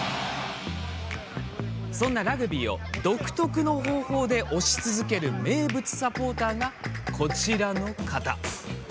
そんなラグビーを独特の方法で推し続ける名物サポーターがこちらの方。